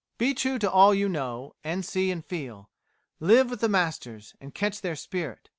_ Be true to all you know, and see, and feel; live with the masters, and catch their spirit.